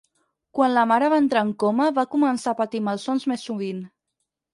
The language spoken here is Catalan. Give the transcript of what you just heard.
Quan la mare va entrar en coma va començar a patir malsons més sovint.